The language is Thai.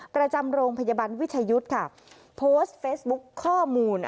ประจำโรงพยาบาลวิชยุทธ์ค่ะโพสต์เฟซบุ๊คข้อมูล